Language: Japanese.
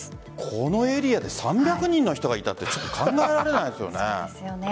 このエリアで３００人の人がいたって考えられないですよね。